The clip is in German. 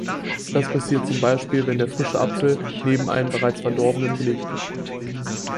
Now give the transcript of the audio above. Das passiert zum Beispiel, wenn der frische Apfel neben einen bereits verdorbenen gelegt wird.